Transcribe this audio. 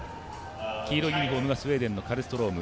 黄色いユニフォームはスウェーデンのカルストローム。